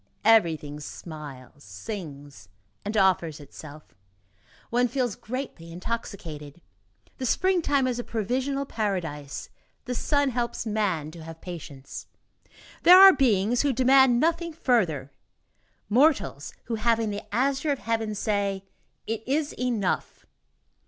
Everything smiles, sings and offers itself. One feels gently intoxicated. The springtime is a provisional paradise, the sun helps man to have patience. There are beings who demand nothing further; mortals, who, having the azure of heaven, say: "It is enough!"